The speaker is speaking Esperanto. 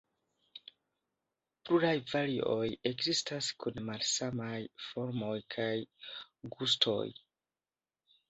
Pluraj varioj ekzistas kun malsamaj formoj kaj gustoj.